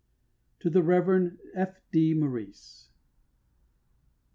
TO THE REV. F. D. MAURICE.